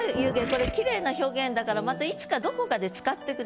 これ綺麗な表現だからまたいつかどこかで使ってください。